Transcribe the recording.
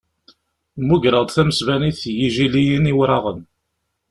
Mmugreɣ-d tamesbanit n Yijiliyen Iwraɣen.